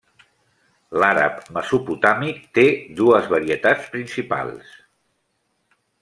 L'àrab mesopotàmic té dues varietats principals.